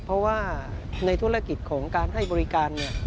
เพราะว่าในธุรกิจของการให้บริการเนี่ย